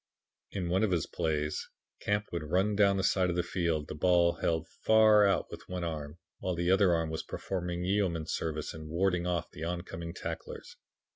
"In one of his plays, Camp would run down the side of the field, the ball held far out with one arm, while the other arm was performing yeoman service in warding off the oncoming tacklers.